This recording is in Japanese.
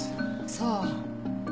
そう。